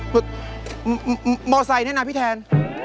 มอเซอร์ไซด์นี่นะพี่แทน